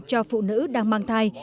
cho phụ nữ đang mang thai